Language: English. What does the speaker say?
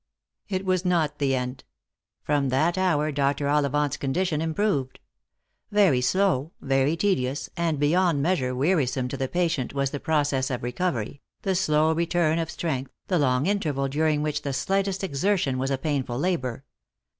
It was not the end. From that hour Dr. Ollivant's condition improved. Very slow, very tedious, and beyond measure weari some to the patient was the process of recovery, the slow return of strength, the long interval during which the slightest exer tion was a painful labour.